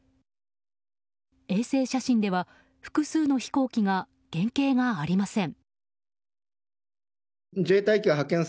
衛星写真では複数の飛行機が原形がありません。